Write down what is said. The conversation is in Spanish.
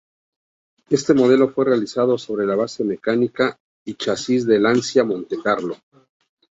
Este modelo fue realizado sobre la base mecánica y chasis del Lancia Montecarlo.